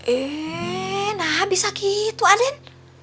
eh nah bisa gitu anen